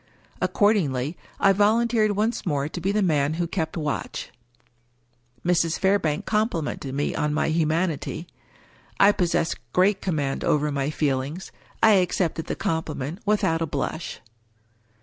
Accordingly, I volunteered once more to be the man who kept watch. Mrs. Fairbank complimented me on my humanity. I pos sess great command over my feelings. I accepted the compliment without a blush.